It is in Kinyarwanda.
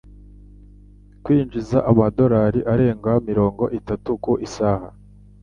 kwinjiza amadolari arenga mirongo itatu ku isaha